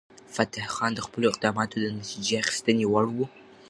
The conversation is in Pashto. فتح خان د خپلو اقداماتو د نتیجه اخیستنې وړ و.